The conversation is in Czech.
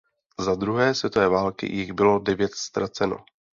Za druhé světové války jich bylo devět ztraceno.